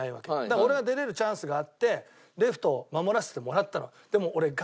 だから俺は出れるチャンスがあってレフトを守らせてもらったの。